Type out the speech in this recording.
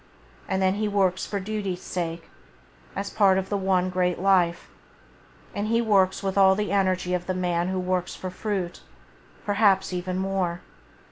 And then he works for duty's sake, as part of the One Great Life, [Page 12] and he works with all the energy of the man who works for fruit, perhaps even with more.